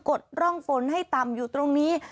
ดร่องฝนให้ต่ำอยู่ตรงนี้